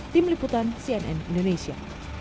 tim liputan cnn indonesia